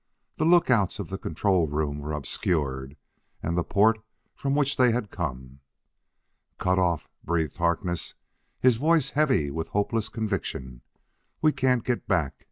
The lookouts of the control room were obscured, and the port from which they had come! "Cut off!" breathed Harkness, his voice heavy with hopeless conviction. "We can't get back!